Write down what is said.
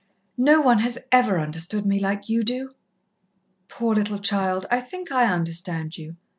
"No one has ever understood me like you do." "Poor little child, I think I understand you.